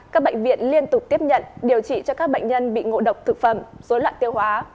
các bệnh viện liên tục tiếp nhận điều trị cho các bệnh nhân bị ngộ độc thực phẩm dối loạn tiêu hóa